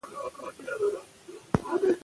هغه وویل چې سبا به ښوونځي ته راسې.